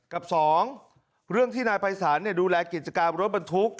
กับสองเรื่องที่นายไปสารเนี่ยดูแลกิจกรรมรถบรรทุก